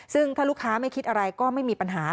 ซึ่งถ้าลูกค้าไม่คิดอะไรก็ไม่มีปัญหา